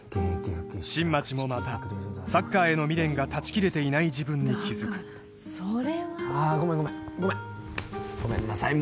新町もまたサッカーへの未練が断ち切れていない自分に気づくだからそれはああごめんごめんごめんごめんなさい